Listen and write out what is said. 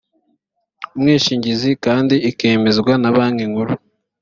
umwishingizi kandi ikemezwa na banki nkuru